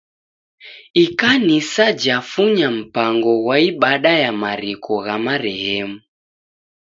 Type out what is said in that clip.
Ikanisa jafunya mpango ghwa ibada ya mariko gha marehemu.